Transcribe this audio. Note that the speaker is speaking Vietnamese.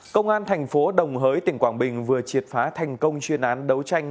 công an thành phố đồng hới tỉnh quảng bình vừa triệt phá thành công chuyên án đấu tranh